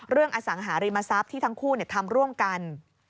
อสังหาริมทรัพย์ที่ทั้งคู่ทำร่วมกัน